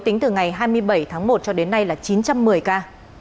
tính từ ngày hai mươi bảy tháng một cho đến nay là chín trăm một mươi ca